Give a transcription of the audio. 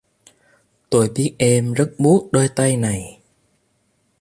Tôi biết em rất buốt đôi bàn tay